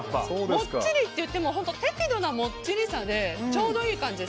もっちりっていっても適度なもっちりさでちょうどいい感じ。